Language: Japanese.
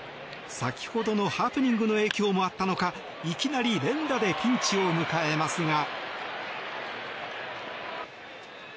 先ほどのハプニングの影響もあったのかいきなり連打でピンチを迎えますが。